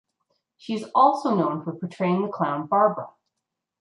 She is also known for portraying the clown Barbara.